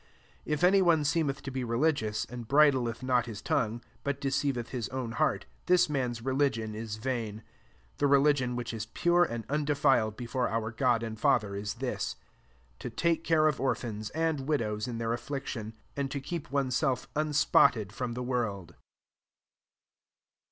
26 If any one seemeth to be religious, and bridleth not his tongue, but deceiveth his own heart, this man's religion ia vain. 27 The religion which t> pure and undefiled before our God and Father, is this ; to take care of orphans and widows in their afiQiction, and to keep oneVself unspotted from .the world.